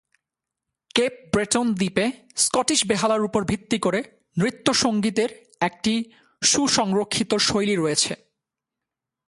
Cape Breton দ্বীপে Scottish বেহালার উপর ভিত্তি করে নৃত্য সংগীতের একটি সুসংরক্ষিত শৈলী রয়েছে।